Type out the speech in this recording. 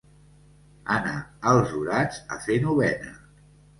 Anar als orats a fer novena.